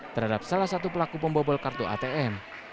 terhadap salah satu pelaku pembobol kartu atm